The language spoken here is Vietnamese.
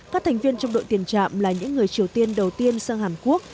các thành viên trong đội tiền trạm là những người triều tiên đầu tiên sang hàn quốc